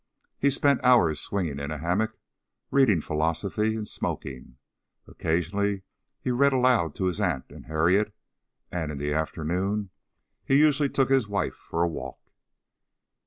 He spent hours swinging in a hammock, reading philosophy and smoking; occasionally he read aloud to his aunt and Harriet, and in the afternoon he usually took his wife for a walk.